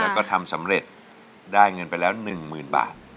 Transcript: แล้วก็ทำสำเร็จได้เงินไปแล้วหนึ่งหมื่นบาท